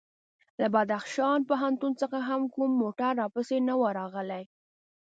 له بدخشان پوهنتون څخه هم کوم موټر راپسې نه و راغلی.